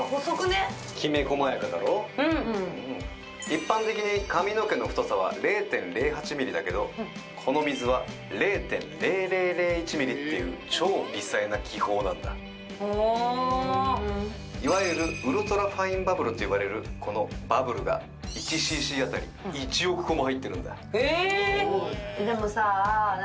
一般的に髪の毛の太さは０．０８ｍｍだけどこの水は０．０００１ｍｍっていう超微細な気泡なんだいわゆるウルトラファインバブルと呼ばれるこのバブルが１ｃｃあたり１億個も入ってるんだえ！